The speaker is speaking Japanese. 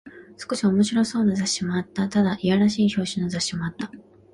少し面白そうな雑誌もあった。ただ、いやらしい表紙の雑誌もあった。